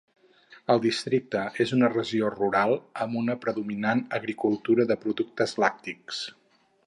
El districte és una regió rural amb una predominant agricultura de productes làctics.